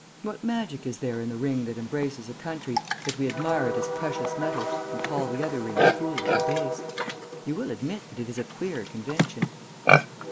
What magic is there in the ring that embraces a country, that we admire it as precious metal and call the other rings foolish or base? You will admit that it is a queer convention."